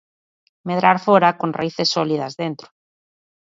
Medrar fóra con raíces sólidas dentro.